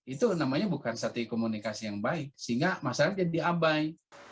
itu namanya bukan satu komunikasi yang baik sehingga masyarakat jadi abai